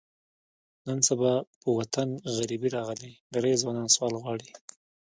نن سبا په وطن غریبي راغلې، ډېری ځوانان سوال غواړي.